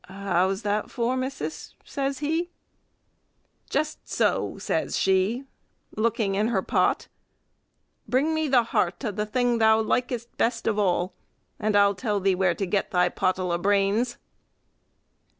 "How's that for, missis?" says he. "Jest so," says she, looking in the pot; "bring me the heart of the thing thou likest best of all, and I'll tell thee where to get thy pottle o' brains."